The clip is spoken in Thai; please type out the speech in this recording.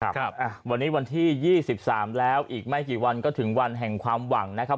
ครับวันนี้วันที่๒๓แล้วอีกไม่กี่วันก็ถึงวันแห่งความหวังนะครับ